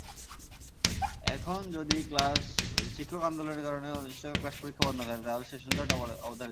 এখন যদি শিক্ষক আন্দোলনের কারণে অনির্দিষ্টকাল ক্লাস-পরীক্ষা বন্ধ থাকে, তাহলে সেশনজট অবধারিত।